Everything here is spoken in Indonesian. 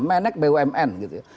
menek bumn gitu ya